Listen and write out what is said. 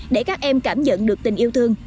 để các em cảm nhận được tình yêu thương